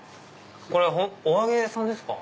これはお揚げさんですか？